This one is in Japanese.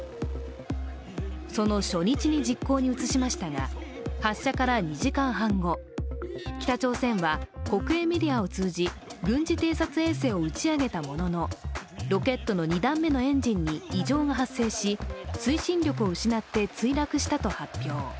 その初日に実行に移しましたが、発射から２時間半後、北朝鮮は国営メディアを通じ軍事偵察衛星を打ち上げたもののロケットの２段目のエンジンに異常が発生し、推進力を失って墜落したと発表。